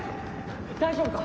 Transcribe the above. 大丈夫か！？